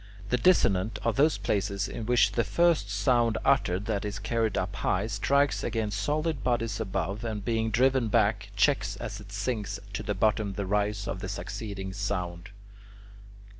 The dissonant are those places in which the first sound uttered that is carried up high, strikes against solid bodies above, and, being driven back, checks as it sinks to the bottom the rise of the succeeding sound.